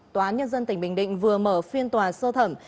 tòa án nhân dân tỉnh bình định vừa mở phiên tòa sơ thẩm